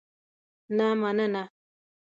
نه مننه.